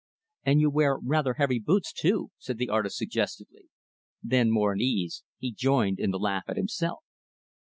"And you wear rather heavy boots too," said the artist suggestively. Then, more at ease, he joined in the laugh at himself.